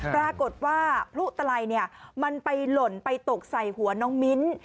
ปรากฏว่าพลุตลัยมันไปหล่นไปตกใส่หัวน้องมิ้น